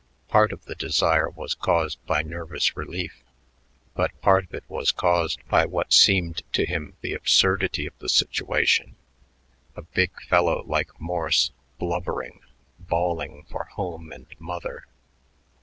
Part of the desire was caused by nervous relief, but part of it was caused by what seemed to him the absurdity of the situation: a big fellow like Morse blubbering, bawling for home and mother!